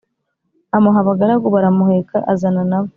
amuha abagaragu baramuheka azana nabo